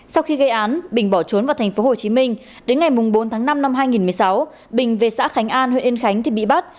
sau khi gây án bình bỏ trốn vào tp hcm đến ngày bốn tháng năm năm hai nghìn một mươi sáu bình về xã khánh an huyện yên khánh thì bị bắt